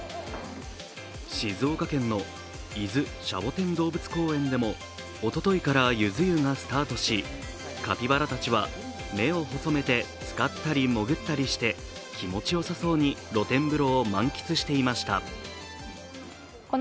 静岡県の伊豆シャボテン動物公園でもおとといからゆず湯がスタートし、カピバラたちは目を細めてつかったり潜ったりして気持ちよさそうに露天風呂を満喫していました。